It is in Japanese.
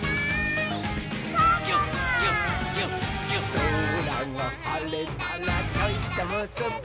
「そらがはれたらちょいとむすび」